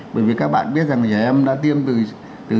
bởi vì các bạn biết rằng trẻ em đã tiêm từ